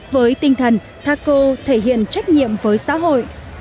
với tinh thần thaco thể hiện trách nhiệm với xã hội